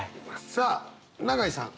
さあ永井さん